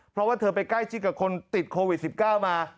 เพราะว่าเธอไปใกล้ชิดกับคนติดโควิด๑๙มา